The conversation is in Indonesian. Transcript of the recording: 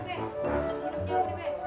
enak sih be